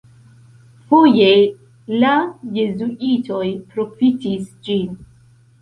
Foje la jezuitoj profitis ĝin.